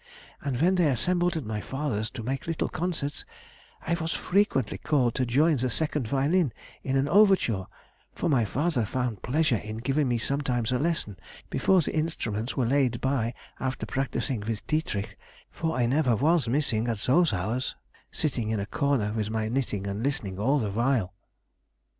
And when they assembled at my father's to make little concerts, I was frequently called to join the second violin in an overture, for my father found pleasure in giving me sometimes a lesson before the instruments were laid by after practising with Dietrich, for I never was missing at those hours, sitting in a corner with my knitting and listening all the while."